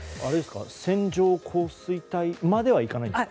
線状降水帯まではいかないんですか？